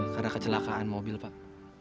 karena kecelakaan mobil pak